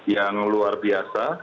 yang luar biasa